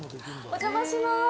お邪魔します。